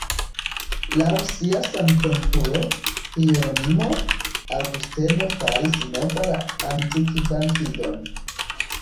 Laŭ sia samtempulo, Hieronimo, Aŭgusteno "faris nova la antikvan fidon.